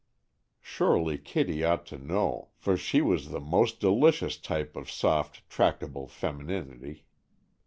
Surely Kitty ought to know, for she was the most delicious type of soft, tractable femininity.